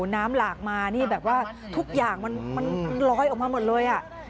หลากมานี่แบบว่าทุกอย่างมันลอยออกมาหมดเลยอ่ะ